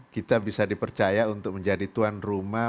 kita bisa dipercaya untuk menjadi tuan rumah